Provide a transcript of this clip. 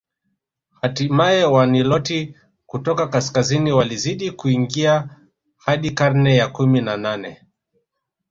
Hatimaye Waniloti kutoka kaskazini walizidi kuingia hadi karne ya kumi na nane